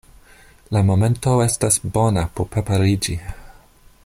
La momento estas bona por prepariĝi.